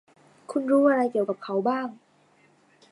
คุณรู้อะไรเกี่ยวกับเขาบ้าง